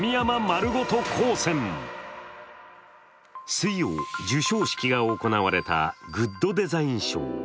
水曜、授賞式が行われたグッドデザイン賞。